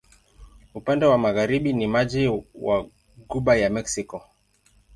Upande wa magharibi ni maji wa Ghuba ya Meksiko.